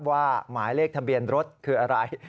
หมายเลขทะเบียนรถคืออะไร